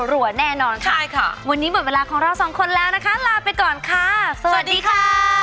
รัวแน่นอนค่ะใช่ค่ะวันนี้หมดเวลาของเราสองคนแล้วนะคะลาไปก่อนค่ะสวัสดีค่ะ